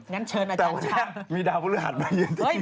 แต่ว่าแทนมีดาวพุฤหัสมายืนดีกัน